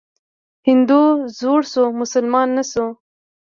هندو زوړ شو، مسلمان نه شو.